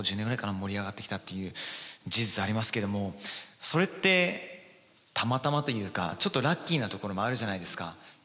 盛り上がってきたという事実がありますけれどもそれってたまたまというかちょっとラッキーなところもあるじゃないですか。